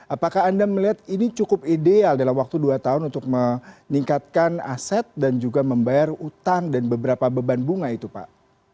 apakah anda melihat ini cukup ideal dalam waktu dua tahun untuk meningkatkan aset dan juga membayar utang dan beberapa beban bunga itu pak